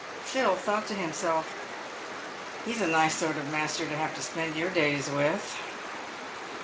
Phil thought to himself, " He's a nice sort of a master to have to spend your days with."